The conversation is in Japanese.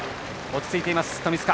落ち着いています、富塚。